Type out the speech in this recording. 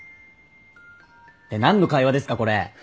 って何の会話ですかこれ。